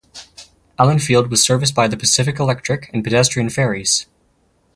Allen Field was serviced by the Pacific Electric and pedestrian ferries.